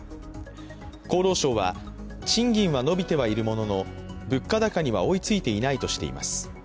厚労省は、賃金は伸びてはいるものの、物価高には追いついていないとしています。